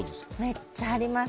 めっちゃあります。